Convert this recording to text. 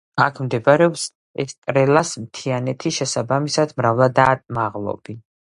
აქ მდებარეობს ესტრელას მთიანეთი შესაბამისად მრავლადაა მაღლობი.